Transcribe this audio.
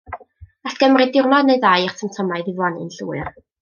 Gall gymryd diwrnod neu ddau i'r symptomau ddiflannu'n llwyr.